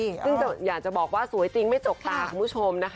ซึ่งอยากจะบอกว่าสวยจริงไม่จกตาคุณผู้ชมนะคะ